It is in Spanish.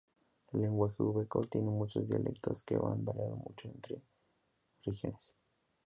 El lenguaje uzbeko tiene muchos dialectos que van variando mucho entre regiones.